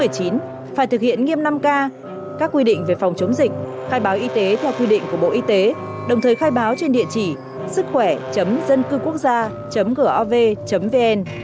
phải thực hiện nghiêm năm k các quy định về phòng chống dịch khai báo y tế theo quy định của bộ y tế đồng thời khai báo trên địa chỉ sứckhoẻ dâncưquốcgia gov vn